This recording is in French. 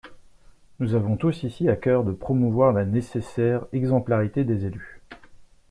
Nous avons tous ici à cœur de promouvoir la nécessaire exemplarité des élus.